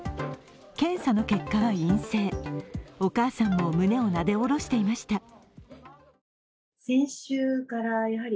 検査の結果は陰性、お母さんも胸をなでおろしていました。